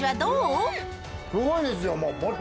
すごいですよもう。